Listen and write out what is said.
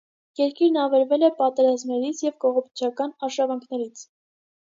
Երկիրն ավերվել է պատերազմներից և կողոպտչական արշավանքներից։